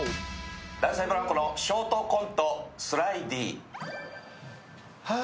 男性ブランコのショートコント、「スライディー」。